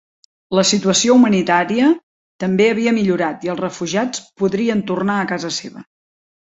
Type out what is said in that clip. La situació humanitària també havia millorat i els refugiats podrien tornar a casa seva.